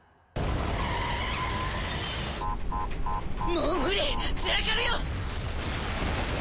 もう無理ずらかるよ！